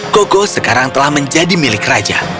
koko sekarang telah menjadi milik raja